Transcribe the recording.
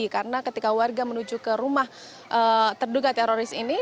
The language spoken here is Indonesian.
karena ketika warga menuju ke rumah terduga teroris ini